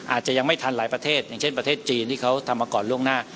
อาจจะยังไม่ทันหลายประเทศอย่างเช่นประเทศจีนที่เขาทำมาก่อนล่วงหน้า